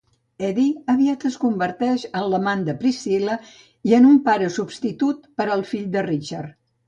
Eddy aviat es converteix en l'amant de Priscilla i en un pare substitut per al fill de Richard.